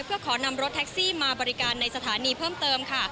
เพื่อขอนำรถแท็กซี่มาบริการในสถานีเพิ่มเติมค่ะ